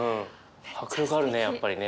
迫力あるねやっぱりね。